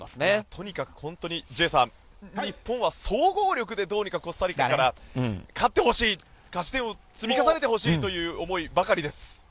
とにかく本当に日本は総合力でコスタリカから勝ってほしい勝ち点を積み重ねてほしいばかりです。